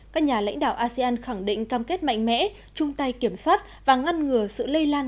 các nhà lãnh đạo asean khẳng định cam kết mạnh mẽ chung tay kiểm soát và ngăn ngừa sự lây lan